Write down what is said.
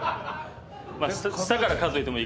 下から数えてもいいが。